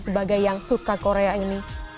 sebagai yang suka korea ini